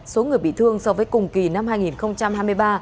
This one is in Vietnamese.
số người bị thương so với cùng kỳ năm hai nghìn hai mươi ba